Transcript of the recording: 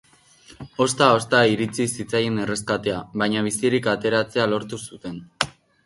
Ozta-ozta iritsi zitzaien erreskatea, baina bizirik ateratzea lortu zuten.